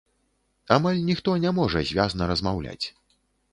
Амаль ніхто не можа звязна размаўляць.